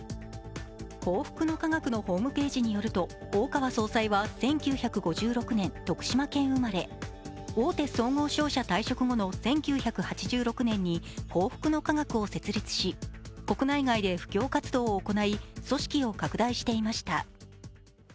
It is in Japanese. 幸福の科学のホームページによると大川総裁は１９５６年、徳島県生まれ大手総合商社退職後の１９８６年に幸福の科学を設立し国内外で布教活動を行い、組織を拡大していました。